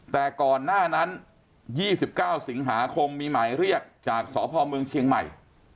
แต่ก่อนหน้านั้น๒๙สิงหาคมมีหมายเรียกจากสพเมืองเชียงใหม่